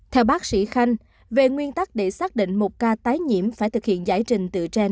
theo bác sĩ khanh về nguyên tắc để xác định một ca tái nhiễm phải thực hiện giải trình tự trang